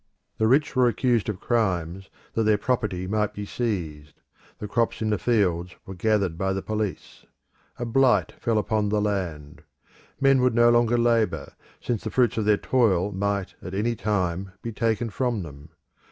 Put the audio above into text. The rich were accused of crimes that their property might be seized: the crops in the fields were gathered by the police. A blight fell upon the land. Men would no longer labour, since the fruits of their toil might at any time be taken from them.